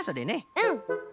うん。